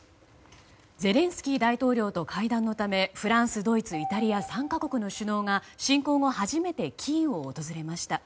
ゼレンスキー大統領と会談のためフランス、ドイツ、イタリア３か国の首脳が侵攻後初めてキーウを訪れました。